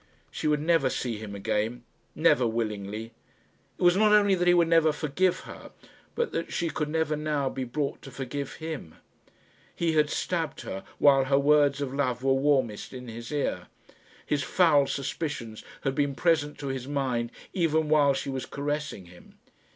She would never see him again never willingly. It was not only that he would never forgive her, but that she could never now be brought to forgive him. He had stabbed her while her words of love were warmest in his ear. His foul suspicions had been present to his mind even while she was caressing him.